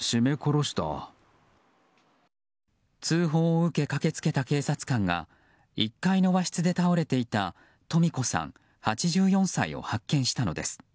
通報を受け駆けつけた警察官が１階の和室で倒れていた登美子さん、８４歳を発見したのです。